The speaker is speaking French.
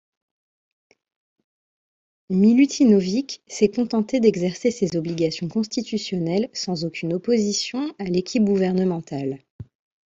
Milutinović s'est contenté d'exercer ses obligations constitutionnelles, sans aucune opposition à l'équipe gouvernementale.